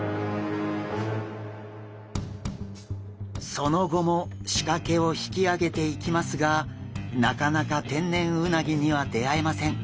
その後も仕掛けを引き上げていきますがなかなか天然うなぎには出会えません。